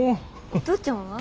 お父ちゃんは？